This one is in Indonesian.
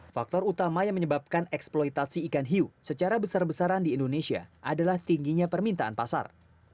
faktor utama yang menyebabkan eksploitasi ikan hiu secara besar besaran di indonesia adalah tingginya permintaan pasar